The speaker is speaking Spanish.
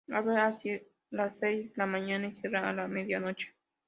Abre a las seis de la mañana y cierra a medianoche.